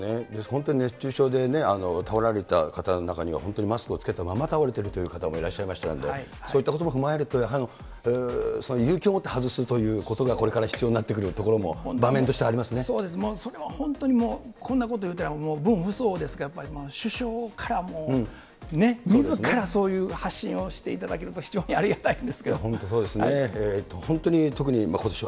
本当に熱中症で倒れられた方の中には、本当にマスクを着けたままたおられているという方もいらっしゃいましたんで、そういったことも踏まえると、やはり、勇気を持って外すということがこれから必要になってくるところも場面としてあそうです、それは本当にもう、こんなこと言うたら、分不相応ですけれども、首相からもう、ね、みずからそういう発信をしていただけると非常にありがたいですけ本当、そうですね。